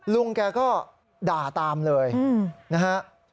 ลุงแกก็ด่าตามเลยนะฮะ